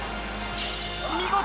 見事！